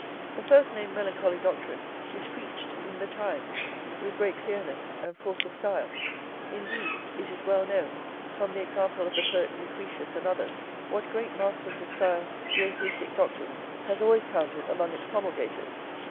The first named melancholy doctrine is preached in The Times with great clearness and force of style; indeed, it is well known, from the example of the poet Lucretius and others, what great masters of style the atheistic doctrine has always counted among its promulgators.